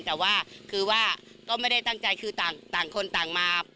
แต่ว่าคือว่าก็ไม่ได้ตั้งใจคือต่างคนต่างมา